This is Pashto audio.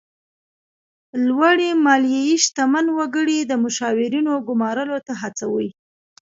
لوړې مالیې شتمن وګړي د مشاورینو ګمارلو ته هڅوي.